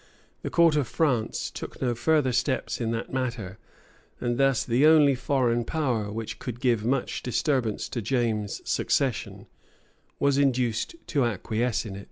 352 The court of France took no further steps in that matter; and thus the only foreign power which could give much disturbance to James's succession, was induced to acquiesce in it.